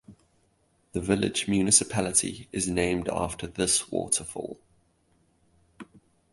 The village municipality is named after this waterfall.